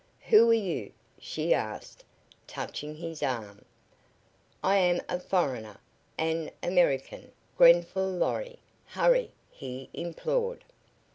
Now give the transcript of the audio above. "Who are you?" she asked, touching his arm. "I am a foreigner an American Grenfall Lorry! Hurry!" he implored.